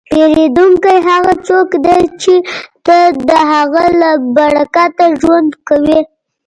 پیرودونکی هغه څوک دی چې ته د هغه له برکته ژوند کوې.